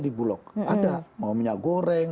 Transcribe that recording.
di bulog ada mau minyak goreng